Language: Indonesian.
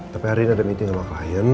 tapi hari ini ada meeting sama klien